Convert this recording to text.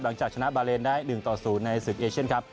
หลังจากชนะบาเลนได้๑ต่อ๐ในศึกเอเชียนครับ